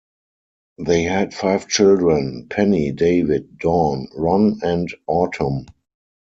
They had five children: Penny, David, Dawn, Ron, and Autumn.